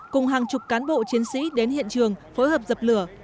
cùng hàng chục cán bộ chiến sĩ đến hiện trường phối hợp dập lửa